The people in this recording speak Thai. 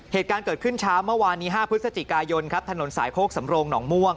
เหตุการณ์เกิดขึ้นเช้าเมื่อวานนี้๕พฤศจิกายนครับถนนสายโคกสำโรงหนองม่วง